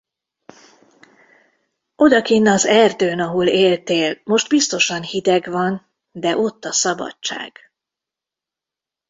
Odakinn az erdőn, ahol éltél, most biztosan hideg van, de ott a szabadság.